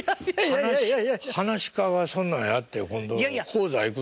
噺家はそんなんやって今度高座行くのに。